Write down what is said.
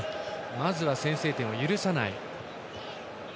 まずは先制点を許さない。